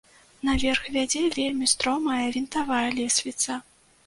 Наверх вядзе вельмі стромая вінтавая лесвіца.